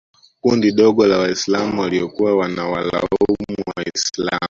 kundi dogo la Waislam waliokuwa wanawalaumu Waislam